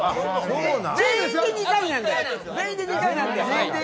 全員で２回なんで。